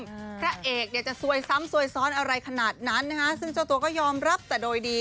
พระเอกเนี่ยจะซวยซ้ำซวยซ้อนอะไรขนาดนั้นนะฮะซึ่งเจ้าตัวก็ยอมรับแต่โดยดี